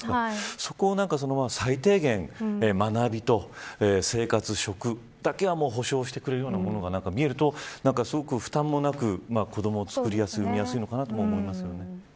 そこを最低限、学びと生活、食だけは保証してくれるものが見えると負担もなく子どもをつくりやすい生みやすいのかなと思いますね。